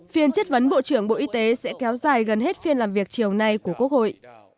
phiên chất vấn bộ trưởng bộ y tế sẽ kéo dài gần hết phiên làm việc chiều nay của quốc hội